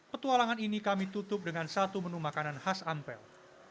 petualangan ini kami tutup dengan satu menu makanan khas ampel